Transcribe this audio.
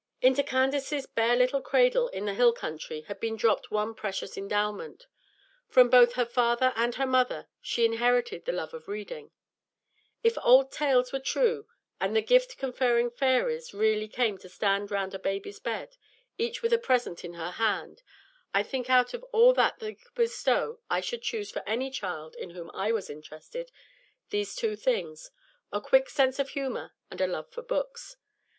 Into Candace's bare little cradle in the hill country had been dropped one precious endowment. From both her father and her mother she inherited the love of reading. If old tales were true, and the gift conferring fairies really came to stand round a baby's bed, each with a present in her hand, I think out of all that they could bestow I should choose for any child in whom I was interested, these two things, a quick sense of humor and a love for books.